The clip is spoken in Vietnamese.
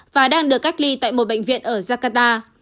và đang được cách ly tại một bệnh viện ở jakarta